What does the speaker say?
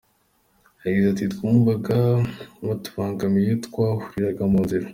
Yagize ati “Twumvaga batubangamiye iyo twahuriraga mu nzira.